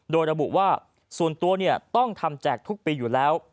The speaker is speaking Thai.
โดยระบุว่าส่วนตัวต้องทำแจกทุกปีอยู่แล้ว